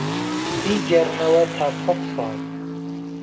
بی گێڕنهوه تا سەتساڵ